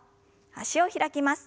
脚を開きます。